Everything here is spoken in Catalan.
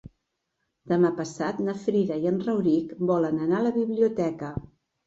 Demà passat na Frida i en Rauric volen anar a la biblioteca.